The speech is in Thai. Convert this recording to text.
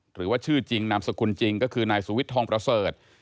หรือว่าชื่อจริงนามสกุลจริงก็คือนายสุวิทย์ทองประเสริฐ